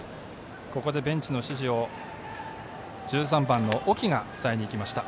ここでベンチの指示を１３番、沖が伝えに行きました。